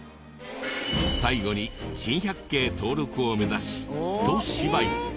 最後に珍百景登録を目指しひと芝居。